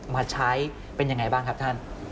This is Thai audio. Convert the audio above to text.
มาใช้เป็นยังไงบ้างครับท่าน